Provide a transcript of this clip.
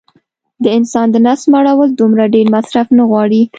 د انسان د نس مړول دومره ډېر مصرف نه غواړي